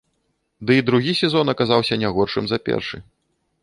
Ды і другі сезон аказаўся не горшым за першы.